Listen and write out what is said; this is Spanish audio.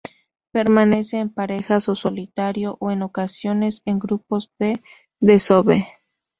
Permanece en parejas o solitario, o en ocasiones en grupos de desove.